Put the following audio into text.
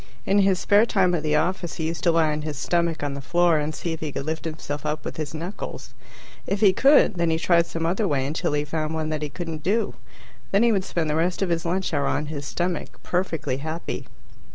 In his spare time at the office, he used to lie on his stomach on the floor and see if he could lift himself up with his knuckles. If he could, then he tried some other way until he found one that he couldn't do. Then he would spend the rest of his lunch hour on his stomach, perfectly happy.